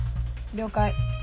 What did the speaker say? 了解。